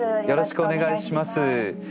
よろしくお願いします。